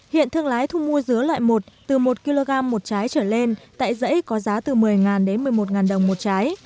hiện thương lái thu mua dứa loại một từ một kg một trái trở lên tại dãy có giá từ một mươi đến một mươi một đồng một trái